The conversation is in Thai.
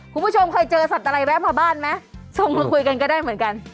คุณผู้ชมเคยเจอสัตว์อะไรแวะมาบ้านไหมส่งมาคุยกันก็ได้เหมือนกัน